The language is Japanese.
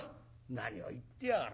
「何を言ってやがら。